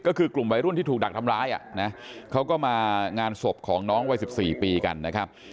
ก็คือกลุ่มวัยรุ่นที่ถูกดักทำร้ายอ่ะนะเขาก็มางานศพของน้องวัย๑๔ปีกันนะครับ